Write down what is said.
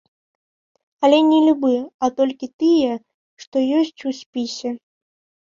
Але не любы, а толькі тыя, што ёсць у спісе.